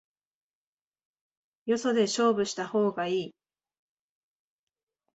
よそで勝負した方がいい